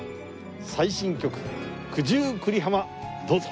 最新曲『九十九里浜』どうぞ。